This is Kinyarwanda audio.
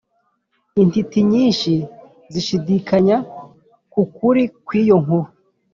intiti nyinshi zishidikanya ku kuri kw’iyo nkuru.